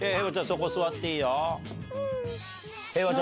そこ座っていいよ。